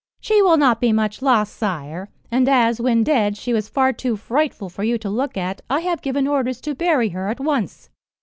"She will not be much loss, sire; and as, when dead, she was far too frightful for you to look at, I have given orders to bury her at once."